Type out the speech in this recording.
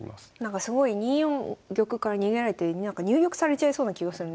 すごい２四玉から逃げられて入玉されちゃいそうな気がするんですけど。